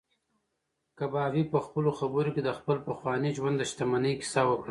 کبابي په خپلو خبرو کې د خپل پخواني ژوند د شتمنۍ کیسه وکړه.